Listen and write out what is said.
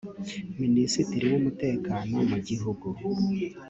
Minisitiri w’Umutekano mu gihugu